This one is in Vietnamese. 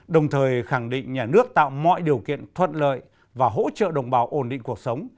đồng thời khẳng định nhà nước tạo mọi điều kiện thuận lợi và hỗ trợ đồng bào ổn định cuộc sống